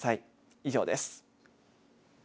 以上です。